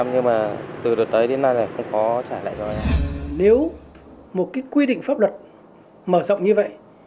nếu một quy định pháp luật mở rộng như vậy